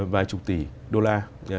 vài chục tỷ đô la